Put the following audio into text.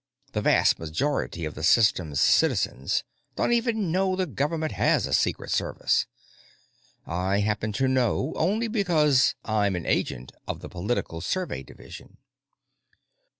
The vast majority of the System's citizens don't even know the Government has a Secret Service. I happen to know only because I'm an agent of the Political Survey Division.